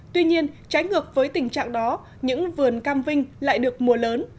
tuy nhiên trái ngược với tình trạng đó những vườn cam vinh lại được mùa lớn